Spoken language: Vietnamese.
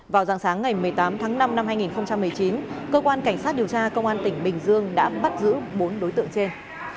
vào dạng sáng ngày một mươi tám tháng năm năm hai nghìn một mươi chín cơ quan cảnh sát điều tra công an tỉnh bình dương đã bắt giữ bốn đối tượng trên